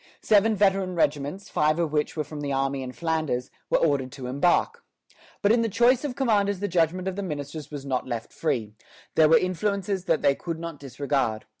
Seven veteran regiments, five of which were from the army in Flanders, were ordered to embark. But in the choice of commanders the judgment of the ministers was not left free; there were influences that they could not disregard.